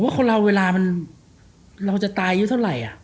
ผมว่าคนเราเวลามันเราจะตายอยู่เท่าไหร่